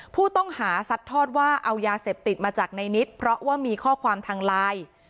ผู้ต้องหาซัดทอดว่าเอายาเสพติดมาจากในนิดเพราะว่ามีข้อความทางไลน์